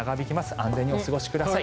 安全にお過ごしください。